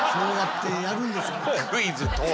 クイズとは。